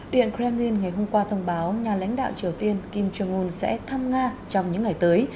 điện kremlin ngày hôm qua thông báo nhà lãnh đạo triều tiên kim jong un sẽ thăm nga trong những ngày tới